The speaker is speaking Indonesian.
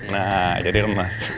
nah jadi lemas